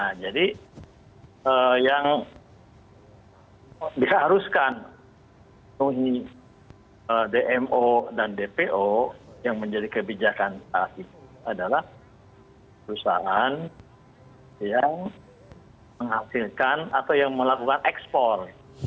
nah jadi yang diharuskan penuhi dmo dan dpo yang menjadi kebijakan itu adalah perusahaan yang menghasilkan atau yang melakukan ekspor